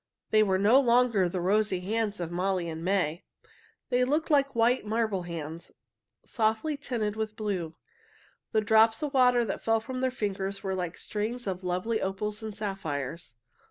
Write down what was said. They were no longer the rosy hands of Molly and May. They looked like white marble hands, softly tinted with blue. The drops of water that fell from their fingers were like strings of lovely opals and sapphires.